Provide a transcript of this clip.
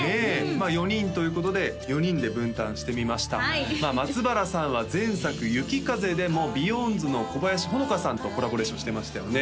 まあ４人ということで４人で分担してみましたまあ松原さんは前作「雪風」でもＢＥＹＯＯＯＯＯＮＤＳの小林萌花さんとコラボレーションしてましたよね